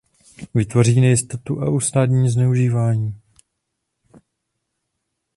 Vytvoří nejistotu a usnadní zneužívání.